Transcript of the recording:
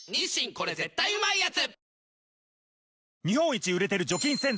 これ絶対うまいやつ」